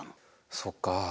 そっかあ。